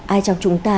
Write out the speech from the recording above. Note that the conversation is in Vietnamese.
ai trong chúng ta